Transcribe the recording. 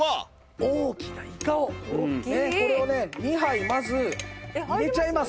大きなイカをこれをね２杯まず入れちゃいます。